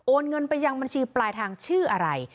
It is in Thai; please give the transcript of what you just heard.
เงินไปยังบัญชีปลายทางชื่ออะไร